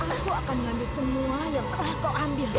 aku akan mengambil semua yang telah kau ambil